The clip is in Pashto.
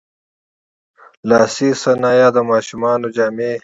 لاسي صنایع، د ماشومانو جامې.